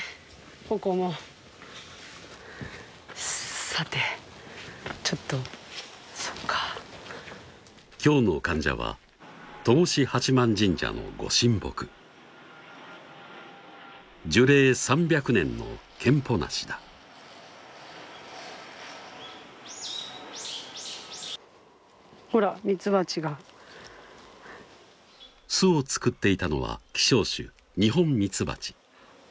ここもさてちょっとそっか今日の患者は戸越八幡神社の御神木樹齢３００年のケンポナシだほらミツバチが巣を作っていたのは希少種・ニホンミツバチ